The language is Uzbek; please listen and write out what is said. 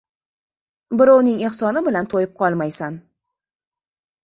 • Birovning ehsoni bilan to‘yib qolmaysan.